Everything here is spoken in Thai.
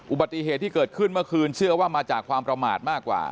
อุบัติเหตุที่เกิดขึ้นเมื่อคืนเชื่อว่ามาจากความประมาทมากกว่า